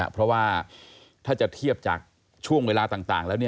เพราะว่าถ้าจะเทียบจากช่วงเวลาต่างแล้ว